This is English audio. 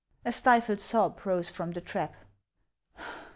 A stifled sob rose from the trap.